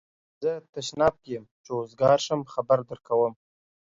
زه تشناب کی یم چی اوزګار شم خبر درکوم